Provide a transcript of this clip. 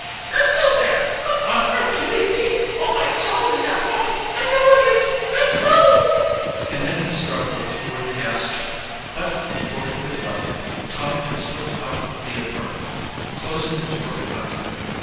"Let go there! What on earth can they be? Oh, my toe is half off I know it is! Let go!" And then he struggled toward the gas jet, but before he could light it Tom had slipped out of the apartment, closing the door behind him.